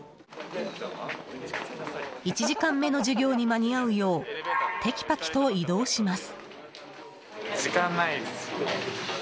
１時間目の授業に間に合うようテキパキと移動します。